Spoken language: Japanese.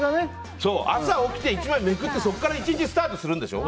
朝起きて１枚めくってそこから１日がスタートするんでしょ。